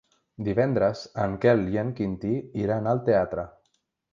Divendres en Quel i en Quintí iran al teatre.